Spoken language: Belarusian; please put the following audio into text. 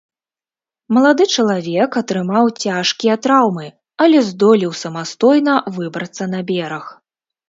Малады чалавек атрымаў цяжкія траўмы, але здолеў самастойна выбрацца на бераг.